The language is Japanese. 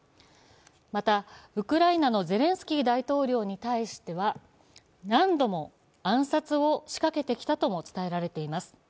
またウクライナのゼレンスキー大統領に対しては何度も暗殺を仕掛けてきたとも伝えられています。